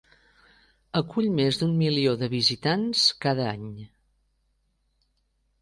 Acull més d'un milió de visitants cada any.